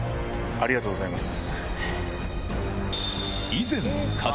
ありがとうございます。